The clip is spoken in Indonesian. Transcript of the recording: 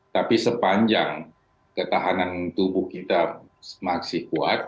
tapi sepanjang ketahanan tubuh kita masih kuat